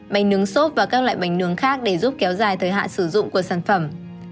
bánh nướng sốt và các loại bánh nướng khác để giúp kéo dài thời hạn sử dụng của sản phẩm